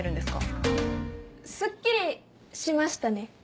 「すっきりしましたね」？